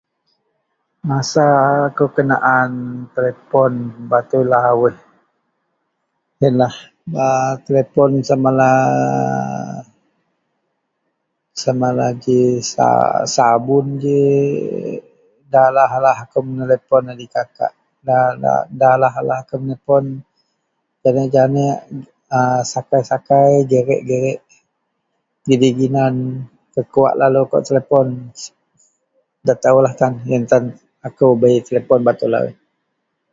Masa akou kenaan telipon batui lawuih, yenlah ba telipon samalah aaa, samalah ji sa sabun ji. Nda alah-alah akou menelepon adikakak, nda alah-alah akou menelepon janeak-janeak, a sakai-sakai, gerek-gerek gidei ginan. Kuwak-kuwak lalu kawak telepon. Nda taoulah tan, yen tan akou bei telipon batui lawuih.